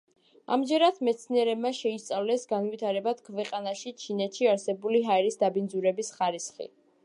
ამჯერად მეცნიერებმა შეისწავლეს განვითარებად ქვეყანაში, ჩინეთში არსებული ჰაერის დაბინძურების ხარისხი.